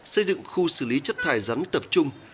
xây dựng khu xử lý chất thải rắn tập trung